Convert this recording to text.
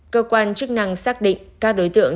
cơ quan chức năng xác định các đối tượng